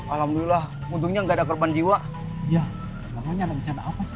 alhamdulillah untungnya nggak ada kerban jiwa ya makanya ada bicara apa sih